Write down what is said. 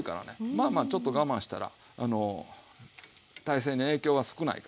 まあまあちょっと我慢したら大勢に影響は少ないから。